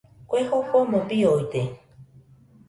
Kue jofomo biooide.